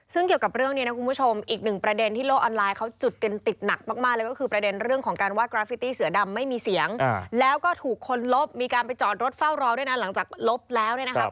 ซึ่งเกี่ยวกับเรื่องนี้นะคุณผู้ชมอีกหนึ่งประเด็นที่โลกออนไลน์เขาจุดกันติดหนักมากเลยก็คือประเด็นเรื่องของการวาดกราฟิตี้เสือดำไม่มีเสียงแล้วก็ถูกคนลบมีการไปจอดรถเฝ้ารอด้วยนะหลังจากลบแล้วเนี่ยนะครับ